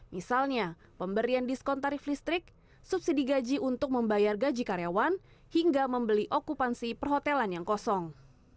misalnya pemberian diskon tarif listrik subsidi gaji untuk membayar gaji karyawan hingga membeli okupansi perhotelan yang kosong